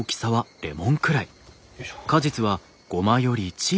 よいしょ。